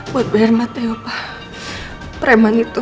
buat biar mati opah preman itu